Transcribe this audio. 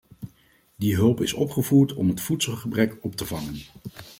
Die hulp is opgevoerd om het voedselgebrek op te vangen.